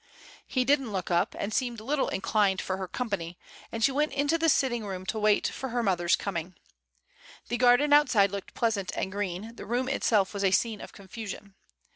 He didn't look up, and seemed little in clined for her company, and she went into the sit ting room to wait for her mother's coming. The garden outside looked pleasant and green; the room itself was a scene of confusion.